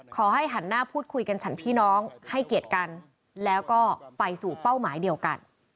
ขอให้หันหน้าพูดคุยกันฉันพี่น้องให้เกียรติกันแล้วก็ไปสู่เป้าหมายเดียวกัน